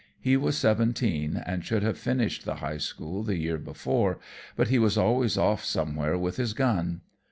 He was seventeen and should have finished the High School the year before, but he was always off somewhere with his gun.